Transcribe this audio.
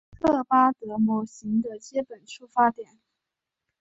赫巴德模型的基本出发点。